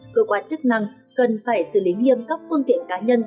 cơ quan chức năng cần phải xử lý nghiêm các phương tiện cá nhân